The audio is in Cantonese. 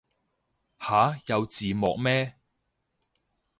吓有字幕咩